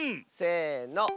せの。